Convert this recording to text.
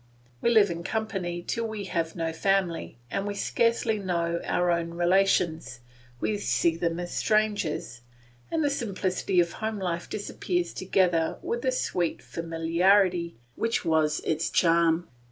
We live in company till we have no family, and we scarcely know our own relations, we see them as strangers; and the simplicity of home life disappears together with the sweet familiarity which was its charm.